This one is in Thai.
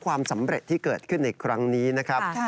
ความสำเร็จที่เกิดขึ้นในครั้งนี้นะครับ